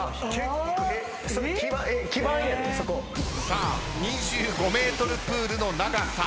さあ２５ｍプールの長さ。